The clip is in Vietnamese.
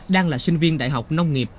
đang là sinh viên đại học nông nghiệp